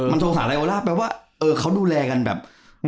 มันโทรหาไลโอล่าแปลว่าเขาดูแลกันแบบ